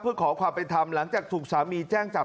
เพื่อขอความเป็นธรรมหลังจากถูกสามีแจ้งจับ